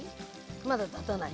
まだたたない。